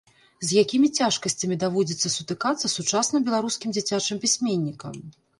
З якімі цяжкасцямі даводзіцца сутыкацца сучасным беларускім дзіцячым пісьменнікам?